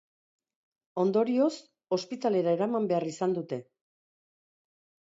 Ondorioz ospitalera eraman behar izan dute.